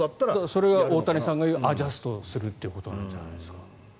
それが大谷さんが言うアジャストするということじゃないですか。